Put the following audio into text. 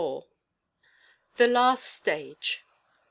THE LAST STAGE.